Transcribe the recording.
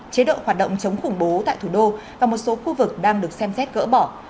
chế độ hoạt động chống khủng bố tại thủ đô và một số khu vực đang được xem xét gỡ bỏ